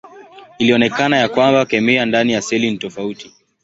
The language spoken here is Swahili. Ilionekana ya kwamba kemia ndani ya seli ni tofauti.